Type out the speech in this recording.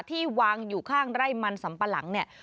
ที่วางอยู่ข้างไร่มันสัมปะหลังเนี่ย